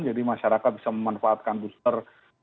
masyarakat bisa memanfaatkan booster